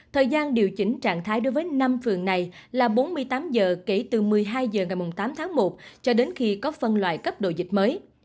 thời gian điều chỉnh trạng thái đối với năm phường này là bốn mươi tám giờ kể từ một mươi hai h ngày tám tháng một cho đến khi có phân loại cấp đồ dịch mới